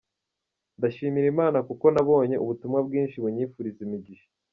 Ndashimira Imana kuko nabonye ubutumwa bwinshi bunyifuriza imigisha.